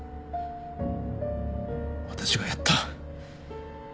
私がやった。